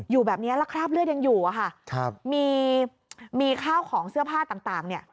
อยู่แบบนี้แล้วคราบเลือดยังอยู่อะค่ะครับมีมีข้าวของเสื้อผ้าต่างเนี่ย